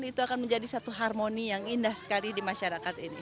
itu akan menjadi satu harmoni yang indah sekali di masyarakat ini